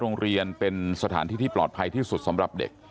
โรงเรียนเป็นสถานที่ที่ปลอดภัยที่สุดสำหรับเด็ก